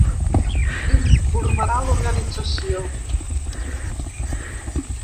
I n’informarà l’organització.